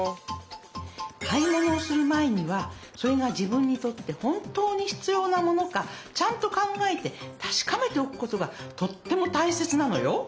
買い物をする前にはそれが自分にとって本当に必要なものかちゃんと考えて確かめておくことがとってもたいせつなのよ。